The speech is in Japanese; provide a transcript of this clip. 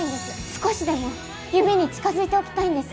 少しでも夢に近づいておきたいんです